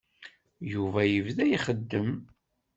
Yuba yebda ixeddem.